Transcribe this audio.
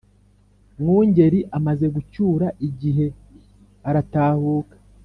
Mwungeli amaze gucyura igihe, aratahuka